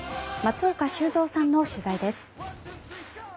松岡修造さんの取材です。